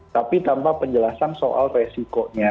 tapi tanpa penjelasan soal resikonya